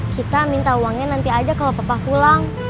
kita minta uangnya nanti aja kalau papa pulang